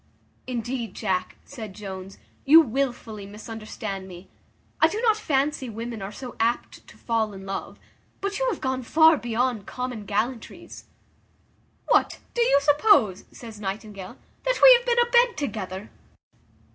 "Indeed, Jack," said Jones, "you wilfully misunderstand me; I do not fancy women are so apt to fall in love; but you have gone far beyond common gallantries." "What, do you suppose," says Nightingale, "that we have been a bed together?"